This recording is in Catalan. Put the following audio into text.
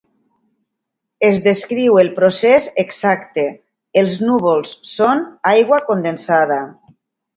Es descriu el procés exacte: els núvols són aigua condensada.